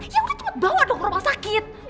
ya udah cuma bawa dong ke rumah sakit